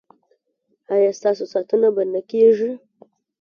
ایا ستاسو ساتنه به نه کیږي؟